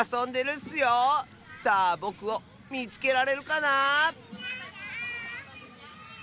さあぼくをみつけられるかな？